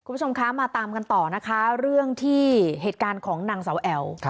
คุณผู้ชมคะมาตามกันต่อนะคะเรื่องที่เหตุการณ์ของนางเสาแอ๋ว